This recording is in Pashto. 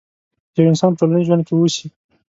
يو انسان په ټولنيز ژوند کې اوسي.